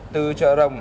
từ chợ rồng